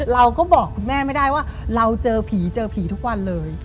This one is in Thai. เราก็บอกคุณแม่ไม่ได้ว่าเราเจอผีเจอผีทุกวันเลย